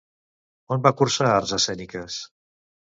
On va cursar arts escèniques?